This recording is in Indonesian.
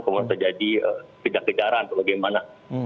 kemudian terjadi kejar kejaran atau bagaimana